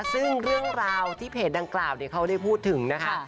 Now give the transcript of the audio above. ซึ่งเรื่องราวที่เพจดังกล่าวเขาได้พูดถึงนะคะ